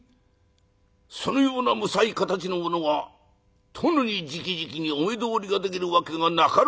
そのようなむさい形の者が殿にじきじきにお目通りができるわけがなかろう」。